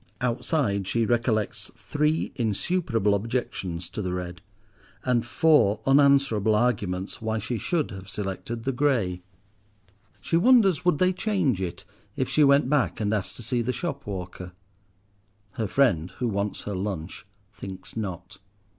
Outside she recollects three insuperable objections to the red, and four unanswerable arguments why she should have selected the grey. She wonders would they change it, if she went back and asked to see the shop walker? Her friend, who wants her lunch, thinks not.